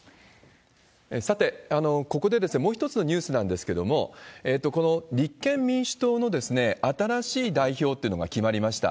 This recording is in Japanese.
さて、ここでもう１つのニュースなんですけれども、この立憲民主党の新しい代表っていうのが決まりました。